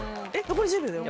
残り１０秒だよ。